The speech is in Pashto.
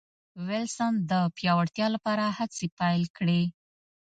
وېلسن د پیاوړتیا لپاره هڅې پیل کړې.